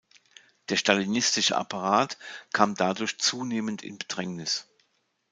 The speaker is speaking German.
Der stalinistische Apparat kam dadurch zunehmend in Bedrängnis.